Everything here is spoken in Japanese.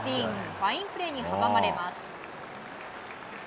ファインプレーに阻まれます。